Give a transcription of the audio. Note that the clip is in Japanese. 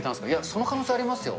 その可能性ありますよ。